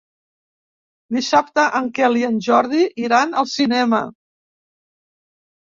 Dissabte en Quel i en Jordi iran al cinema.